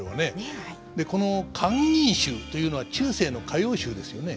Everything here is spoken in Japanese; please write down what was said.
この「閑吟集」というのは中世の歌謡集ですよね。